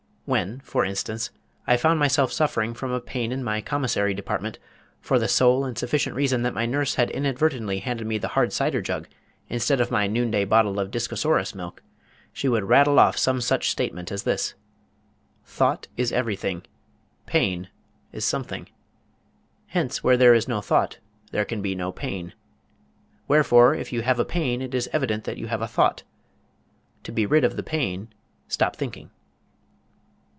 When, for instance, I found myself suffering from a pain in my Commissary Department for the sole and sufficient reason that my nurse had inadvertently handed me the hard cider jug instead of my noon day bottle of discosaurus' milk, she would rattle off some such statement as this: _Thought is everything. Pain is something. Hence where there is no thought there can be no pain. Wherefore if you have a pain it is evident that you have a thought. To be rid of the pain stop thinking.